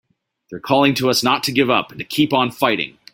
They're calling to us not to give up and to keep on fighting!